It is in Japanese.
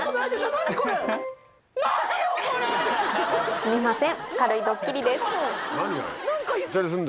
すいません。